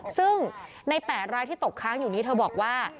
ซึ่งใน๘รายที่ตกค้างอยู่นี้เธอบอกว่า